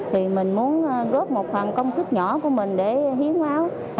thì mình muốn góp một phần công sức nhỏ của mình để hiến máu